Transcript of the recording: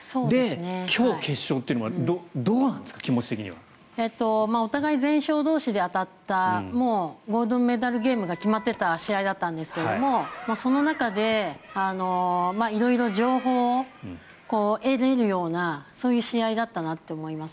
今日、決勝というのはどうなんですか、気持ち的に。お互い全勝同士で当たったもうゴールドメダルゲームが決まっていた試合だったんですがその中で色々情報を得られるようなそういう試合だったなと思います。